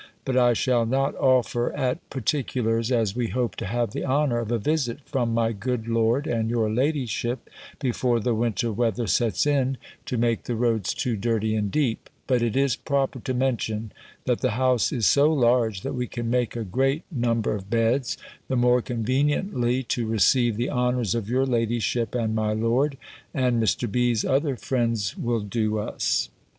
But I shall not offer at particulars, as we hope to have the honour of a visit from my good lord, and your ladyship, before the winter weather sets in, to make the roads too dirty and deep: but it is proper to mention, that the house is so large, that we can make a great number of beds, the more conveniently to receive the honours of your ladyship, and my lord, and Mr. B.'s other friends will do us.